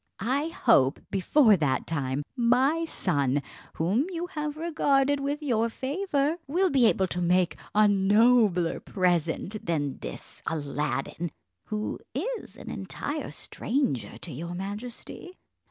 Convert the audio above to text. I hope, before that time, my son, whom you have regarded with your favour, will be able to make a nobler present than this Aladdin, who is an entire stranger to your majesty."